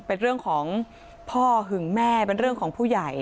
เป็นเรื่องของพ่อหึงแม่เป็นเรื่องของผู้ใหญ่